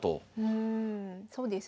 うんそうですね。